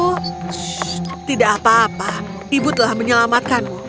oh tidak apa apa ibu telah menyelamatkanmu